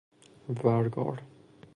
ورگار